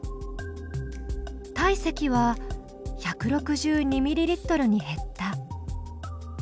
体積は１６２ミリリットルに減った。